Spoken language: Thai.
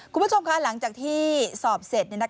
คุณผู้ชมคะหลังจากที่สอบเสร็จ